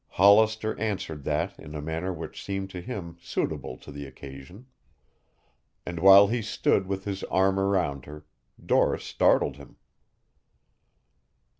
Hollister answered that in a manner which seemed to him suitable to the occasion. And while he stood with his arm around her, Doris startled him.